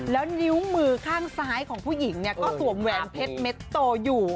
แล้วนิ้วมือข้างซ้ายของผู้หญิงเนี่ยก็สวมแหวนเพชรเม็ดโตอยู่